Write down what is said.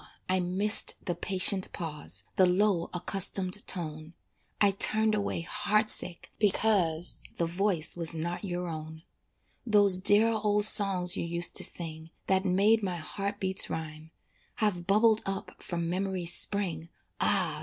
I missed the patient pause, The low accustomed tone, I turned away heart sick because The voice was not your own. Those dear old songs you used to sing, That made my heart beats rhyme, Have bubbled up from memory's spring, Ah!